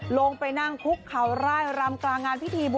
ลงไปนั่งคุกเขาร่ายรำกลางงานพิธี